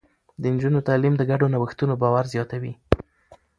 د نجونو تعليم د ګډو نوښتونو باور زياتوي.